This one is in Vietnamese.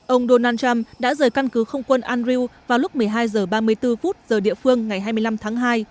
ông donald trump đã rời căn cứ không quân anri vào lúc một mươi hai h ba mươi bốn giờ địa phương ngày hai mươi năm tháng hai